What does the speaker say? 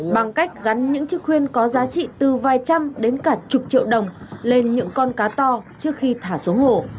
bằng cách gắn những chiếc khuyên có giá trị từ vài trăm đến cả chục triệu đồng lên những con cá to trước khi thả xuống hồ